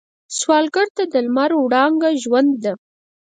سوالګر ته د لمر وړانګه ژوند ده